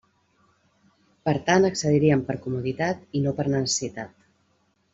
Per tant accedirien per comoditat i no per necessitat.